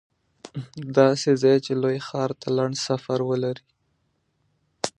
داسې ځای چې لوی ښار ته لنډ سفر ولري